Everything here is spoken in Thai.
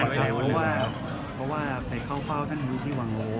ใช่คือเพราะว่าไปเข้าเฝ้าท่านมุ้ยลุงที่วังโง